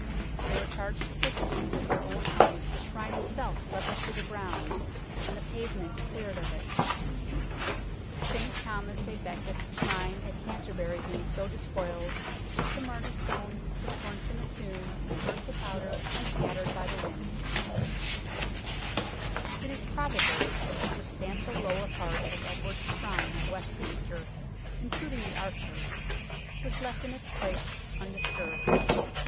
They were charged to see with their own eyes the shrine itself levelled with the ground, and the pavement cleared of it. St Thomas a Becket's shrine at Canterbury being so despoiled, the martyr's bones were torn from the tomb, burnt to powder, and scattered by the winds. SHRINE OF EDWARD THE CONFESSOR 51 It is probable that the substantial lower part of Edward's Shrine at Westminster, including the arches, was left in its place undisturbed.